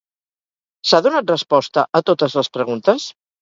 S'ha donat resposta a totes les preguntes?